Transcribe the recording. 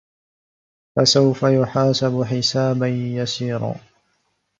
فَسَوفَ يُحاسَبُ حِسابًا يَسيرًا